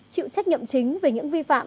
chịu trách nhiệm chính về những vi phạm